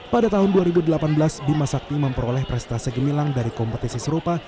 pada tahun dua ribu delapan belas bima sakti memperoleh prestasi gemilang dari kompetisi serupa